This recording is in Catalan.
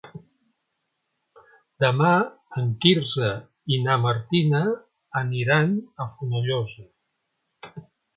Demà en Quirze i na Martina aniran a Fonollosa.